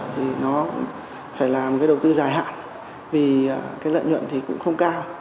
thì nó phải là một cái đầu tư dài hạn vì cái lợi nhuận thì cũng không cao